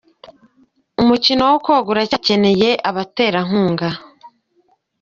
Umukino wo koga uracyakeneye abaterankunga